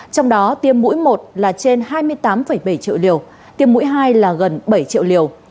trong đó tiêm mũi một là trên hai mươi tám bảy triệu liều tiêm mũi hai là gần bảy triệu liều